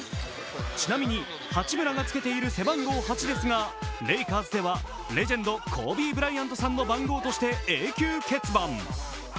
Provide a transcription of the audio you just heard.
ちなみに、八村がつけている背番号８ですが、レイカーズではレジェンド、コービー・ブライアントさんの番号として永久欠番。